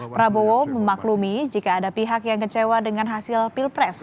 prabowo memaklumi jika ada pihak yang kecewa dengan hasil pilpres